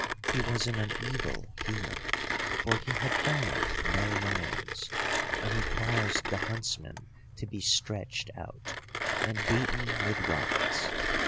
He was in an evil humour, for he had found no lions, and he caused the huntsmen to be stretched out, and beaten with rods.